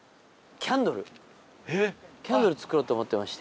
キャンドル作ろうと思ってまして。